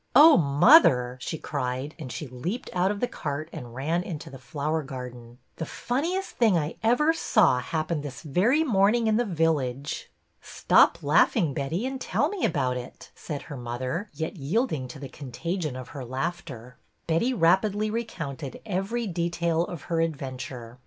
'' Oh, mother," she cried, and she leaped out of the cart and ran into the flower garden, '' the funniest thing I ever saw happened this very morning in the village." Stop laughing, Betty, and tell me about it," said her mother, yet yielding to the contagion of her laughter. Betty rapidly recounted every detail of her adventure.